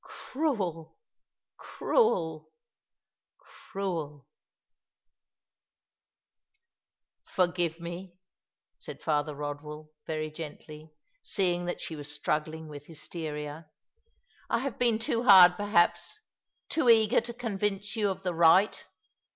Cruel, cruel, cruel !" "Forgive me!" said Father Eodwell, very gently, seeing that she was struggling with hysteria. "I have been too hard, perhaps, too eager to convince you of the right